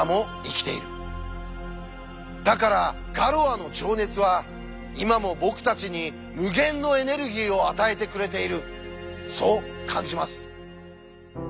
だからガロアの情熱は今も僕たちに無限のエネルギーを与えてくれているそう感じます。